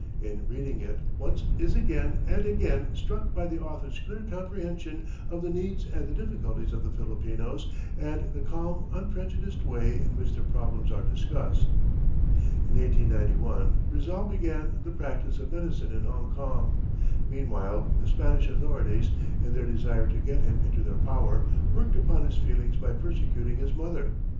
In reading it, one is again and again struck by the author's clear comprehension of the needs and the difficulties of the Filipinos, and the calm, unprejudiced way in which their problems are discussed. [Illustration: JOSE RIZAL.] In 1891, Rizal began the practice of medicine in Hongkong. Meanwhile, the Spanish authorities, in their desire to get him into their power, worked upon his feelings by persecuting his mother.